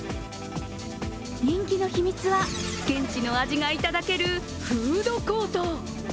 人気の秘密は、現地の味がいただけるフードコート。